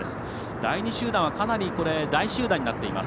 第２集団は、かなり大集団になっています。